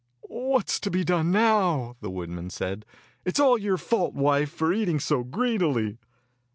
"What is to be done now.^" the woodman said. "It is all your fault, wife, for eating so greedily."